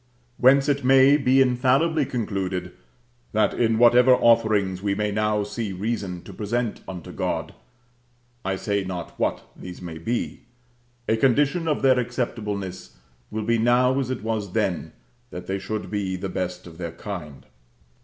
Whence it may be infallibly concluded, that in whatever offerings we may now see reason to present unto God (I say not what these may be), a condition of their acceptableness will be now, as it was then, that they should be the best of their kind.